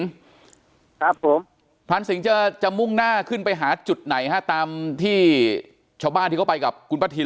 ครับผมพรานสิงห์จะจะมุ่งหน้าขึ้นไปหาจุดไหนฮะตามที่ชาวบ้านที่เขาไปกับคุณป้าทิน